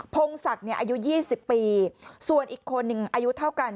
พงศรัพทร์อายุ๒๐ปีส่วนอีกคนอายุเท่ากัน